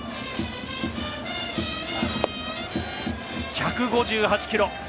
１５８キロ。